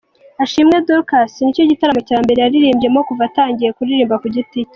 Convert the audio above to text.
Ashimwe Dorcas nicyo gitaramo cya mbere yaririmbyemo kuva atangiye kuririmba ku giti cye.